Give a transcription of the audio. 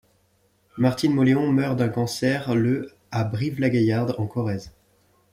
Martine Mauléon meurt d'un cancer le à Brive-la-Gaillarde, en Corrèze.